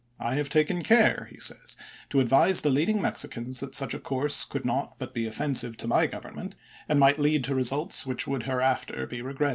I have taken care," he says, "to advise leading Mexicans that such a course could not but be offensive to my Grovernment, and might l^amm*, lead to results which would hereafter be re ms.